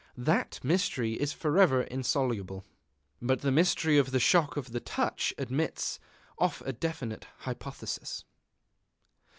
That mystery is forever insoluble. But the mystery of the shock of the touch admits of a definite hypothesis.